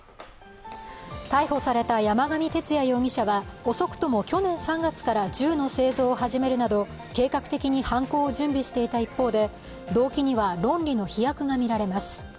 逮捕された山上徹也容疑者は遅くとも去年３月から銃の製造を始めるなど計画的に犯行を準備していた一方で動機には論理の飛躍が見られます。